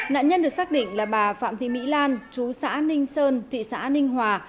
nạn nhân được xác định là bà phạm thị mỹ lan chú xã ninh sơn thị xã ninh hòa